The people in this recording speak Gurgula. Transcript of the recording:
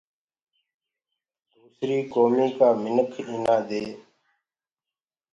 دوسريٚ ڪوميٚ ڪآ منِک اينآ دي